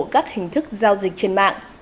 các hình thức giao dịch trên mạng